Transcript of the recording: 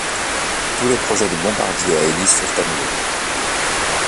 Tous les projets de bombardiers à hélices furent annulés.